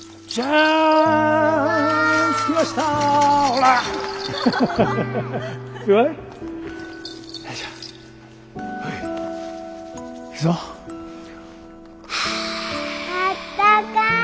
あったかい。